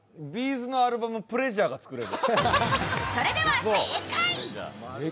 ’ｚのアルバム「プレジャー」が作れる。